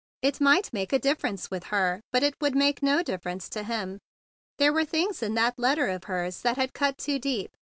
It might make a difference with her, but it would make no difference to him. There were things in that letter of hers that had cut too deep.